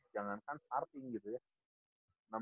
jangan kan starting gitu ya